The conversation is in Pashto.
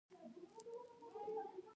تیاره کله ځي؟